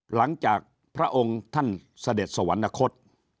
หลังจากพระองค์ท่านเสด็จสวรรคต